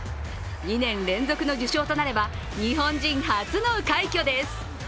２年連続の受賞となれば、日本人初の快挙です。